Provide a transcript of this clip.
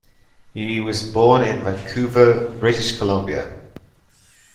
He was born in Vancouver, British Columbia.